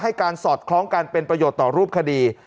การสอดคล้องกันเป็นประโยชน์ต่อรูปคดี